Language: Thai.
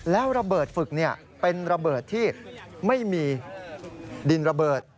แล้วระเบิดฝึกเป็นระเบิดที่ไม่มีดินระเบิด